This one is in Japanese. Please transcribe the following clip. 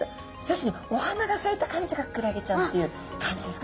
要するにお花がさいた感じがクラゲちゃんっていう感じですかね。